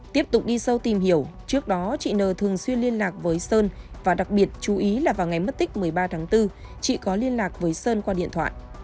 tiếp tục đi sâu tìm hiểu trước đó chị n thường xuyên liên lạc với sơn và đặc biệt chú ý là vào ngày mất tích một mươi ba tháng bốn chị có liên lạc với sơn qua điện thoại